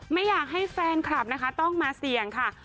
ไม่อยากให้แฟนคลับนะคะต้องมาเสี่ยงค่ะ